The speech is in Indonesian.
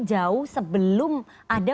jauh sebelum ada